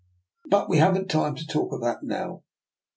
But we haven't time to talk of that now.